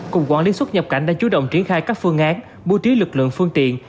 cùng quản lý xuất nhập cảnh đã chủ động triển khai các phương án mua trí lực lượng phương tiện